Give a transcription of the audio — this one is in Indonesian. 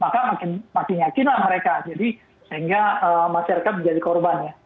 maka makin yakinlah mereka jadi sehingga masyarakat menjadi korbannya